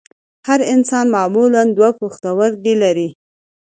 هر انسان معمولاً دوه پښتورګي لري